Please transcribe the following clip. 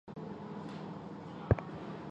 清真寺另一特色是没有宣礼塔。